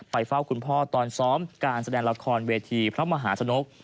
เฝ้าคุณพ่อตอนซ้อมการแสดงละครเวทีพระมหาชนก